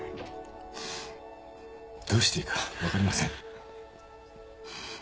どうしていいか分かりません。